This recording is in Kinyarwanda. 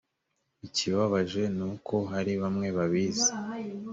ikibabaje ni uko hari bamwe babizi